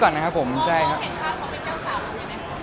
คุณต้องเห็นภาพของเป็นเจ้าสาวหรือเปล่า